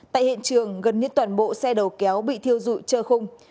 tại hiện trường gần như toàn bộ xe đầu kéo bị thiêu dụi trơ khung